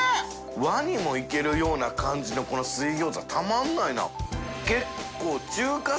造砲いけるような感じのこの水餃子たまらないな。